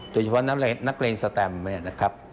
โดยเฉพาะนักเรียนสแตมเนี่ยนะครับ